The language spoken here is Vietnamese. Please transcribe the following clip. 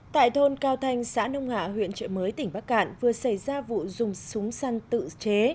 tại thôn cao thanh xã nông hạ huyện trợ mới tỉnh bắc cạn vừa xảy ra vụ dùng súng săn tự chế